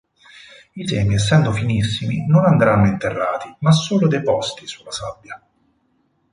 I semi essendo finissimi non andranno interrati ma solo deposti sulla sabbia.